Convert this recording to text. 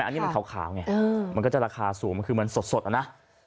เห็นไหมอันนี้มันขาวไงมันก็จะราคาสูงมันคือมันสดอ่ะนะ